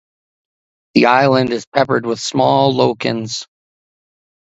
The island is peppered with small lochans.